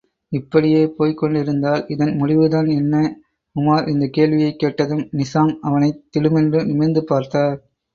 இப்படியே போய்க்கொண்டிருந்தால் இதன் முடிவுதான் என்ன? உமார் இந்தக் கேள்வியைக் கேட்டதும் நிசாம் அவனைத் திடுமென்று நிமிர்ந்து பார்த்தார்.